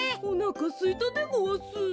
おなかすいたでごわす。